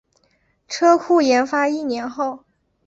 车库研发一年后